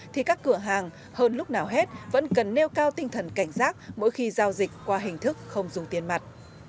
thì các cửa hàng hơn lúc nào hết vẫn cần nêu cao tinh thần cảnh giác mỗi khi giao dịch qua hình thức không dùng tiền mặt